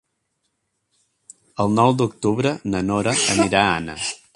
El nou d'octubre na Nora anirà a Anna.